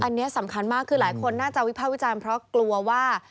อันนี้สำคัญมากคือหลายคนน่าจะวิภาควิจารณ์เพราะกลัวว่า